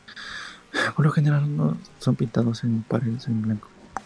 Por lo general son pintados en paredes en blanco.